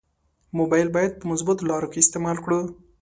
مبایل باید په مثبتو لارو کې استعمال کړو.